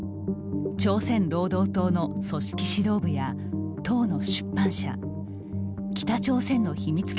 朝鮮労働党の組織指導部や党の出版社北朝鮮の秘密